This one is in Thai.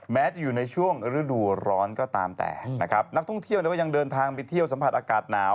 แม้จะอยู่ในช่วงฤดูร้อนก็ตามแตก